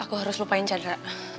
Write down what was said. aku harus lupain chandra